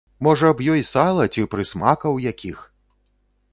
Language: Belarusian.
Можа б, ёй сала ці прысмакаў якіх!